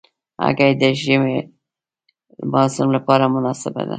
هګۍ د ژمي موسم لپاره مناسبه ده.